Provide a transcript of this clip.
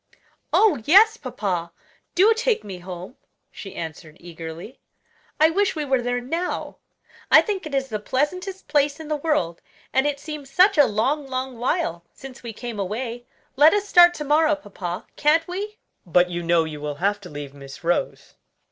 "Oh, yes, papa, do take me home," she answered eagerly. "I wish we were there now. I think it is the pleasantest place in the world and it seems such a long, long while since we came away. Let us start to morrow, papa; can't we?" "But you know you will have to leave Miss Rose."